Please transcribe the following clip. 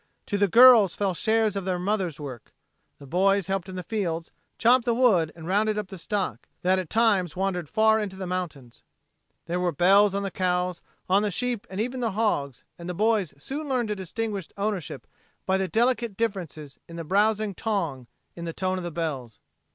To the girls fell shares of the mother's work. The boys helped in the fields, chopped the wood and rounded up the stock, that at times wandered far into the mountains. There were bells on the cows, on the sheep and even the hogs, and the boys soon learned to distinguish ownerships by the delicate differences in the browsing "tong" in the tone of the bells.